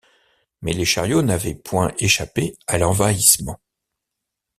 Mais les chariots n’avaient point échappé à l’envahissement.